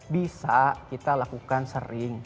bisa kita lakukan sering